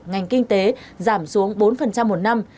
ngành kinh tế giảm xuống bốn một năm